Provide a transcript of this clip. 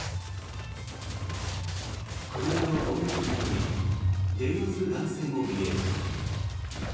車のボンネットに乗り電話する男性の姿も見える。